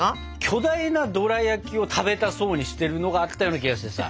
巨大なドラやきを食べたそうにしてるのがあったような気がしてさ。